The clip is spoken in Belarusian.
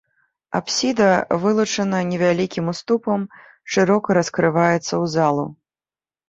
Апсіда вылучана невялікім уступам, шырока раскрываецца ў залу.